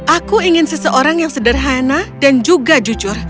aku ingin seseorang yang sederhana dan juga jujur